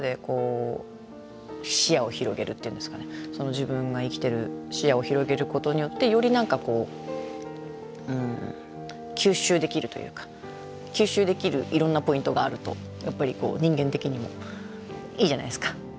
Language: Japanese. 自分が生きてる視野を広げることによってより何かこう吸収できるというか吸収できるいろんなポイントがあるとやっぱりこう人間的にもいいじゃないですか。